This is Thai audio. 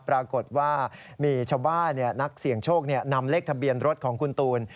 ปรากฏว่ามีชาวบ้านนักเสี่ยงโชคนำเลขทะเบียนรถของคุณตูน